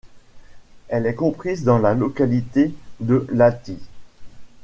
Elle est comprise dans la localité de Lahti.